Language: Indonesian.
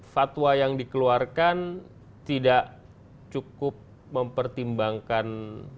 fatwa yang dikeluarkan tidak cukup mempertimbangkan